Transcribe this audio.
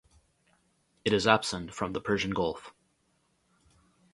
It is absent from the Persian Gulf.